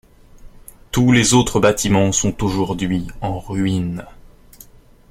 Tous les autres bâtiments sont aujourd'hui en ruines.